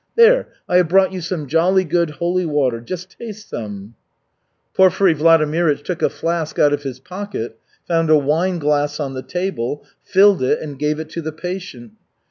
There, I have brought you some jolly good holy water, just taste some." Porfiry Vladimirych took a flask out of his pocket, found a wine glass on the table, filled it and gave it to the patient.